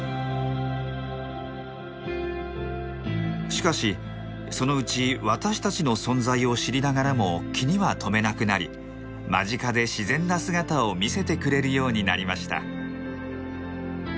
しかしそのうち私たちの存在を知りながらも気には留めなくなり間近で自然な姿を見せてくれるようになりました。